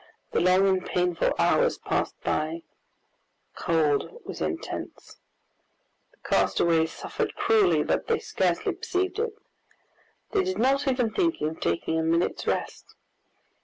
The long and painful hours passed by. The cold was intense. The castaways suffered cruelly, but they scarcely perceived it. They did not even think of taking a minute's rest.